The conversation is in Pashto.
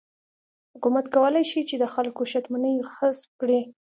حکومت کولای شي چې د خلکو شتمنۍ غصب کړي.